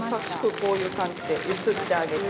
こういう感じで揺すってあげて。